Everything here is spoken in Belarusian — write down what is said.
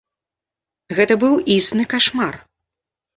Гэта быў існы кашмар.